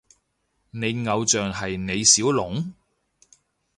你偶像係李小龍？